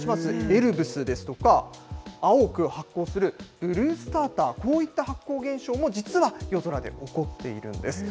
エルブスですとか、青く発光するブルースターター、こういった発光現象も、実は夜空で起こっているんです。